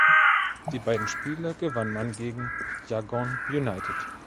Die beiden Spiele gewann man gegen Yangon United.